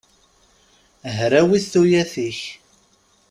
Hrawit tuyat-ik!